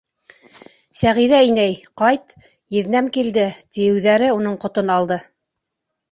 — Сәғиҙә инәй, ҡайт, еҙнәм килде, — тиеүҙәре уның ҡотон алды.